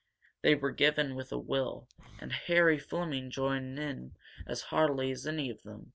They were given with a will and Harry Fleming joined in as heartily as any of them.